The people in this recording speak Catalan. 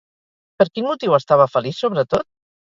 Per quin motiu estava feliç, sobretot?